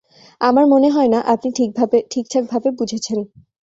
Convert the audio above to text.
আমার মনে হয় না আপনি ঠিকঠাকভাবে বুঝেছেন।